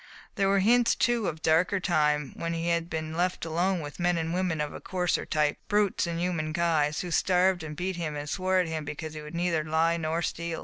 There were hints, too, of that darker time when Digitized by Google ADELINE SERGEANT. 269 he had been left alone with men and women of a coarser type — brutes in human guise, who starved and beat him and swore at him because he would neither lie nor steal.